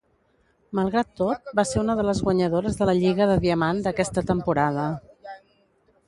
Malgrat tot, va ser una de les guanyadores de la Lliga de Diamant d'aquesta temporada.